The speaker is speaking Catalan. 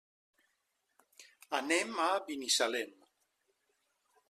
Anem a Binissalem.